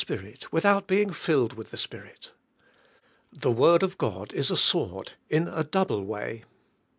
Spirit without being filled with the Spirit. The word of God is a sword in a double wrj..